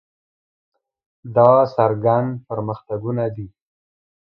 دا څرګند پرمختګونه دي.